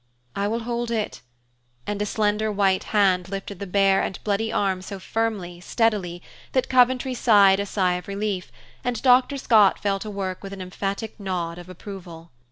"I will hold it," and a slender white hand lifted the bare and bloody arm so firmly, steadily, that Coventry sighed a sigh of relief, and Dr. Scott fell to work with an emphatic nod of approval.